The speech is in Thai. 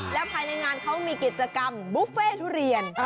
แล้วภายในงานเขามีกิจกรรมบุฟเฟ่ทุเรียน